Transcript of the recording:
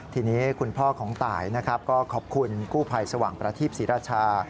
ทีนี้คุณพ่อของตายนะครับก็ขอบคุณกู้ภัยสว่างประทีปศรีราชา